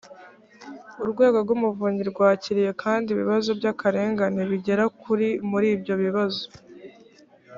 urwego rw umuvunyi rwakiriye kandi ibibazo by akarengane bigera ku muri ibyo bibazo